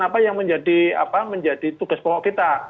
apa yang menjadi tugas pokok kita